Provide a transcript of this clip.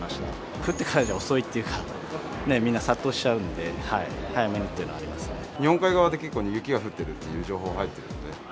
降ってからじゃ遅いっていうか、ね、みんな殺到しちゃうんで、日本海側で結構、雪が降ってるっていう情報入ってるので。